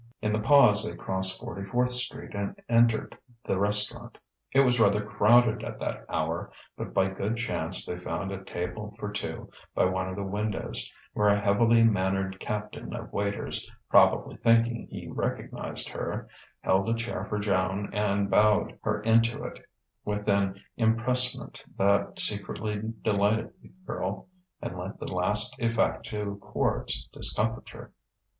In the pause they crossed Forty fourth Street and entered the restaurant. It was rather crowded at that hour, but by good chance they found a table for two by one of the windows; where a heavily mannered captain of waiters, probably thinking he recognized her, held a chair for Joan and bowed her into it with an empressement that secretly delighted the girl and lent the last effect to Quard's discomfiture.